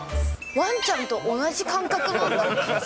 ワンちゃんと同じ感覚なんだ。